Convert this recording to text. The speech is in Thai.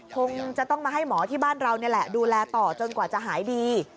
คงจะต้องมาให้หมอที่บ้านเรานี่แหละดูแลต่อจนกว่าจะหายดี